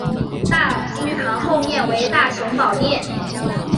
大经堂后面为大雄宝殿。